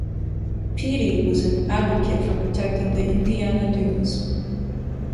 Peattie was an advocate for protecting the Indiana Dunes.